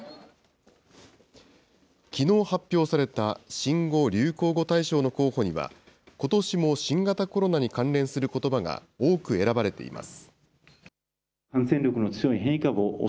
きのう発表された新語・流行語大賞の候補には、ことしも新型コロナに関連することばが多く選ばれています。